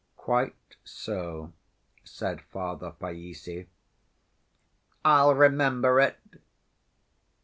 "Quite so," said Father Païssy. "I'll remember it."